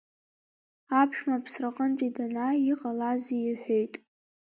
Аԥшәма аԥсраҟынтәи данааи, иҟалазеи иҳәеит.